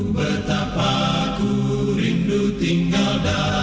betapa ku rindu tinggal dahulu